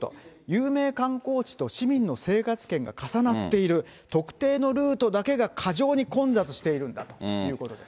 有名観光地と市民の生活圏が重なっている、特定のルートだけが過剰に混雑しているんだということです。